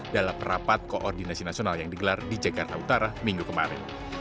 dalam rapat koordinasi nasional yang digelar di jakarta utara minggu kemarin